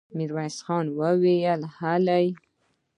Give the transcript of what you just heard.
ميرويس خان وويل: هلئ!